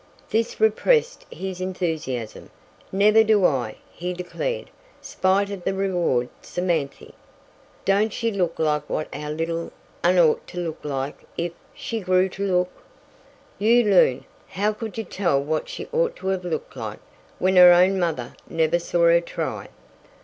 This repressed his enthusiasm. "Never do I," he declared, "spite of the reward, Samanthy. Don't she look like what our little 'un ought to look like if she grew to look?" "You loon! How could you tell what she ought to have looked like when her own mother never saw her try?